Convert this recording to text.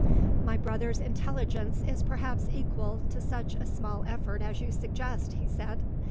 "My brother's intelligence is perhaps equal to such a small effort as you suggest," he said.